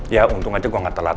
ya untung aja gue gak telat